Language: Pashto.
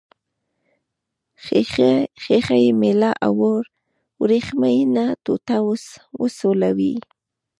ښيښه یي میله او وریښمینه ټوټه وسولوئ.